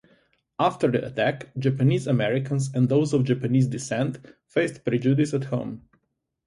After the attack, Japanese-Americans and those of Japanese descent faced prejudice at home.